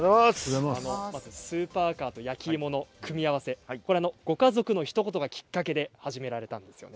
まずスーパーカーと焼き芋の組み合わせご家族のひと言がきっかけで始められたんですよね。